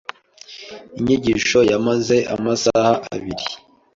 Inyigisho yamaze amasaha abiri.